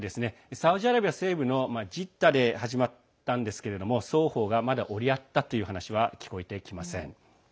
サウジアラビア西部のジッダで始まったんですけれども双方が折り合ったという話はまだ聞こえてきません。